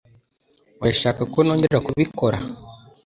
Urashaka ko nongera kubikora?